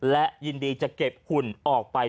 และยินดีจะเก็บหุ่นออกไป